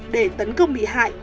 để tấn công bị hải